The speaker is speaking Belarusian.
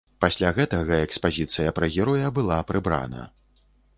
Пасля гэтага экспазіцыя пра героя была прыбрана.